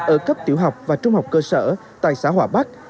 ở cấp tiểu học và trung học cơ sở tại xã hòa bắc